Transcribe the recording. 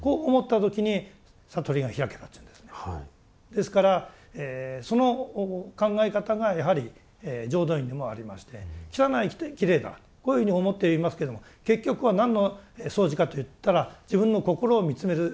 ですからその考え方がやはり浄土院にもありまして汚いきれいだこういうふうに思っていますけども結局は何の掃除かといったら自分の心を見つめる修行なんですね。